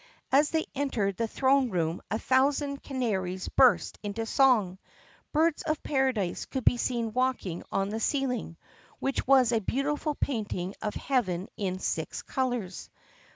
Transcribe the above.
As they entered the throne room a thousand cana ries burst into song. Birds of paradise could be seen walking on the ceiling (which was a beautiful painting of heaven in six colors).